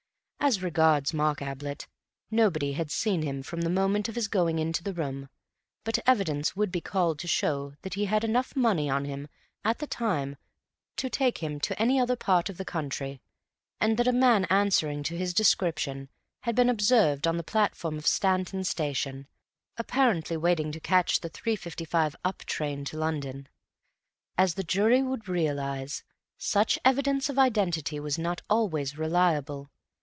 As regards Mark Ablett, nobody had seen him from the moment of his going into the room, but evidence would be called to show that he had enough money on him at the time to take him to any other part of the country, and that a man answering to his description had been observed on the platform of Stanton station, apparently waiting to catch the 3.55 up train to London. As the jury would realize, such evidence of identity was not always reliable.